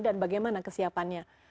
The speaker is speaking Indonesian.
dan bagaimana kesiapannya